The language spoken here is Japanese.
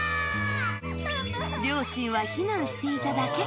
両親は避難していただけ。